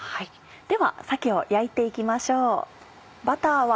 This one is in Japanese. では鮭を焼いて行きましょう。